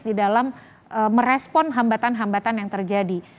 di dalam merespon hambatan hambatan yang terjadi